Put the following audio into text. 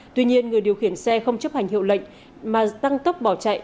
tuy nhiên người điều khiển xe không chấp hành hiệu lệnh mà tăng tốc bỏ chạy